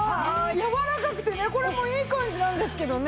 やわらかくてねこれもいい感じなんですけどね。